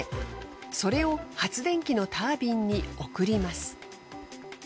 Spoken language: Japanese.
それを発電機のタービンに送ります。